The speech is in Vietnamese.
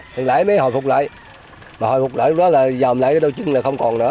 từng lễ mới hồi phục lại mà hồi phục lại lúc đó là dòm lại đôi chân là không còn nữa